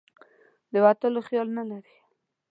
د وتلو خیال نه لري.